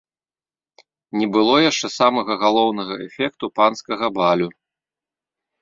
Не было яшчэ самага галоўнага эфекту панскага балю.